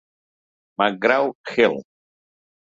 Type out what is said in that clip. McGraw-Hill.